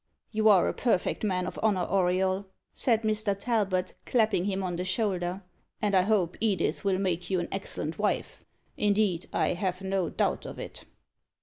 "You are a perfect man of honour, Auriol," said Mr. Talbot, clapping him on the shoulder, "and I hope Edith will make you an excellent wife. Indeed, I have no doubt of it."